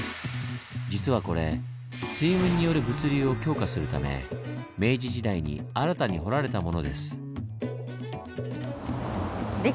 実はこれ水運による物流を強化するため明治時代に新たに掘られたものです。